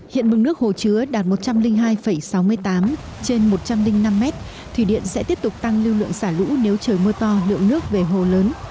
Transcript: hiện mực nước hồ chứa đạt một trăm linh hai sáu mươi tám trên một trăm linh năm mét thủy điện sẽ tiếp tục tăng lưu lượng xả lũ nếu trời mưa to lượng nước về hồ lớn